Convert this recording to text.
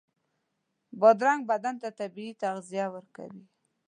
بادرنګ بدن ته طبعي تغذیه ورکوي.